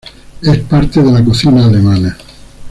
Es parte de la cocina alemana.